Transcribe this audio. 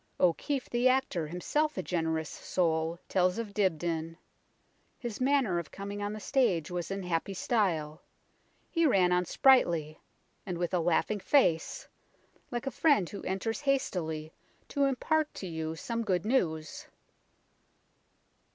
O'Keefe, the actor, himself a generous soul, tells of Dibdin, " His manner of coming on the stage was in happy style ; he ran on sprightly, and with a laughing face, like a friend who enters hastily to impart to you some good news."